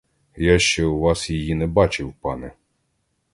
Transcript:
Я ще у вас її не бачив, пане.